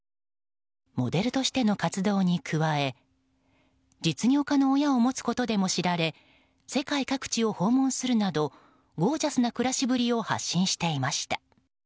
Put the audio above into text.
モデルとしての活動に加え実業家の親を持つことでも知られ世界各地を訪問するなどゴージャスな暮らしぶりを発信していました。